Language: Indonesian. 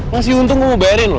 masih untung gue mau bayarin lo